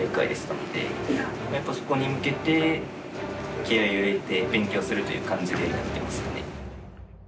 やっぱりそこに向けて気合いを入れて勉強するという感じで出ますね。